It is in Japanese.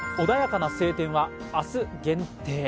穏やかな晴天は明日限定。